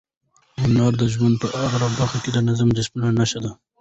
هنر د ژوند په هره برخه کې د نظم او ډیسپلین نښه ده.